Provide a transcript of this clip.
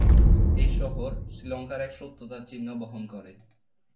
এই শহর শ্রীলঙ্কার এক সত্যতার চিহ্ন বহন করে।